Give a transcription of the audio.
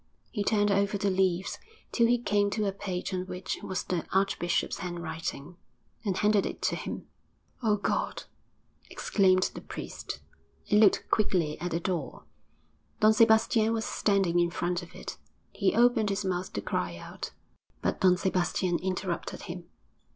He turned over the leaves till he came to a page on which was the archbishop's handwriting, and handed it to him. 'Oh God!' exclaimed the priest, and looked quickly at the door. Don Sebastian was standing in front of it. He opened his mouth to cry out, but Don Sebastian interrupted him.